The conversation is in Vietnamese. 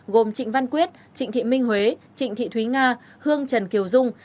gồm trịnh văn quyết trịnh thị minh huế trịnh thị thúy nga hương trần kiều dung